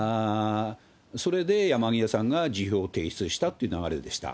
それで山際さんが辞表を提出したという流れでした。